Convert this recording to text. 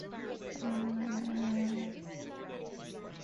Vitale attended John F. Kennedy Memorial High School in Woodbridge Township.